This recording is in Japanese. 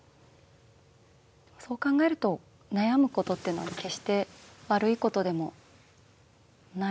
そう考えると悩むことっていうのは決して悪いことでもない？